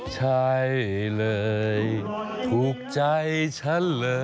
ใช่เลยถูกใจฉันเลย